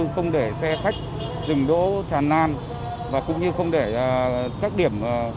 không để xe khách dừng đỗ tràn lan và cũng như không để các điểm